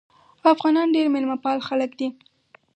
افغانان ډېر میلمه پال خلک دي.